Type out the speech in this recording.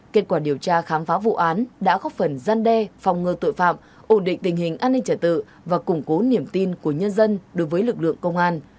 kết quả điều tra khám phá vụ án đã góp phần gian đe phòng ngơ tội phạm ổn định tình hình an ninh trả tự và củng cố niềm tin của nhân dân đối với lực lượng công an